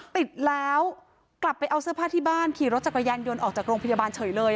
ติดแล้วกลับไปเอาเสื้อผ้าที่บ้านขี่รถจักรยานยนต์ออกจากโรงพยาบาลเฉยเลย